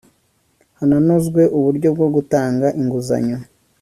hananozwe uburyo bwo gutanga inguzanyo